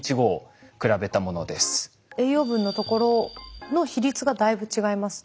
栄養分のところの比率がだいぶ違いますね。